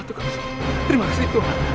terima kasih tuhan